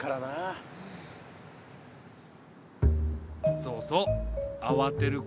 そうそうあわてることないぞ。